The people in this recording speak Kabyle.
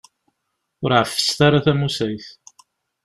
Ur ɛeffset ara tamusayt.